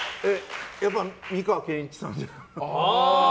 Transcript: やっぱり美川憲一さん。